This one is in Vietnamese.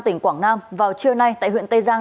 tỉnh quảng nam vào trưa nay tại huyện tây giang